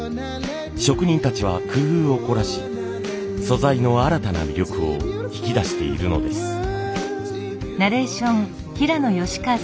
職人たちは工夫を凝らし素材の新たな魅力を引き出しているのです。